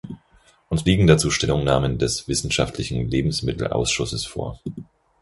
Uns liegen dazu Stellungnahmen des Wissenschaftlichen Lebensmittelausschusses vor.